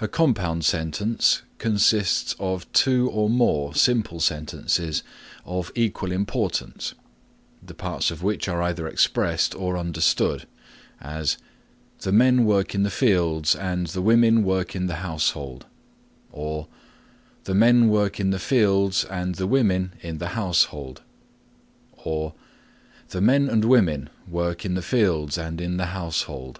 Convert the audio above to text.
A compound sentence consists of two or more simple sentences of equal importance the parts of which are either expressed or understood, as, "The men work in the fields and the women work in the household," or "The men work in the fields and the women in the household" or "The men and women work in the fields and in the household."